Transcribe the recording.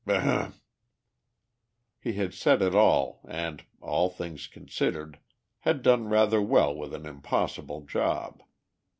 Ahem!" He had said it all and, all things considered, had done rather well with an impossible job.